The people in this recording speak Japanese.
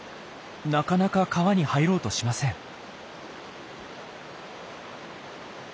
なかなか川に入ろうとしません。